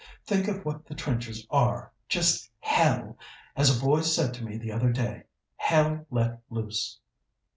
Think of what the trenches are just hell, as a boy said to me the other day hell let loose!"